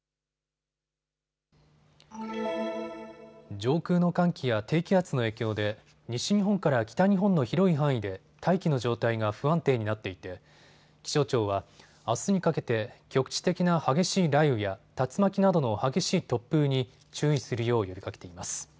上空の寒気や低気圧の影響で西日本から北日本の広い範囲で大気の状態が不安定になっていて気象庁はあすにかけて局地的な激しい雷雨や竜巻などの激しい突風に注意するよう呼びかけています。